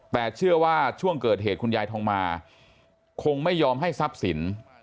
แต่เชื่อว่าช่วงเกิดเหตุคุณยายทองมาคงไม่ยอมให้ทรัพย์สิน